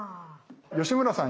吉村さん